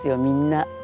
みんな。